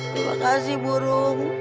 terima kasih burung